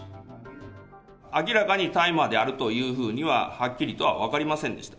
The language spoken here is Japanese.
明らかに大麻であるというふうには、はっきりとは分かりませんでした。